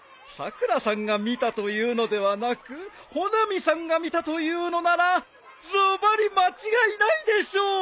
さくらさんが見たと言うのではなく穂波さんが見たと言うのならズバリ間違いないでしょう！